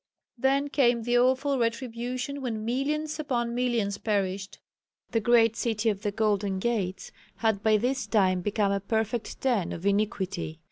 Then came the awful retribution when millions upon millions perished. The great "City of the Golden Gates" had by this time become a perfect den of iniquity.